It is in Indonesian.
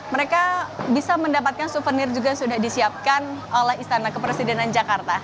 mereka bisa mendapatkan souvenir juga sudah disiapkan oleh istana kepresidenan jakarta